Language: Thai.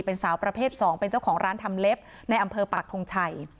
เป็นสาวประเภท๒เป็นเจ้าของร้านทำเล็บในอำเภอปากทงชัย